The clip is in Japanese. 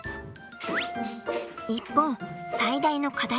一方最大の課題